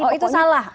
oh itu salah